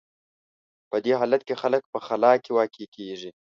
په دې حالت کې خلک په خلا کې واقع کېږي.